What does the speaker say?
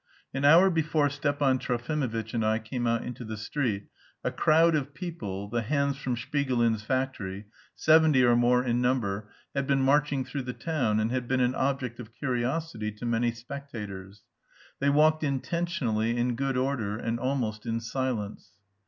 An hour before Stepan Trofimovitch and I came out into the street, a crowd of people, the hands from Shpigulins' factory, seventy or more in number, had been marching through the town, and had been an object of curiosity to many spectators. They walked intentionally in good order and almost in silence.